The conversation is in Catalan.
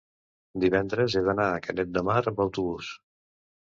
divendres he d'anar a Canet de Mar amb autobús.